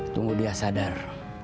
tunggu dia sadar